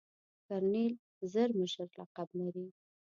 کرنیل زر مشر لقب لري.